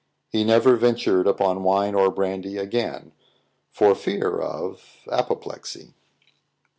He never ventured upon wine or brandy again for fear of apoplexy.